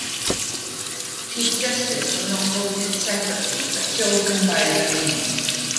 Chief Justice was not voted separately, but chosen by other means.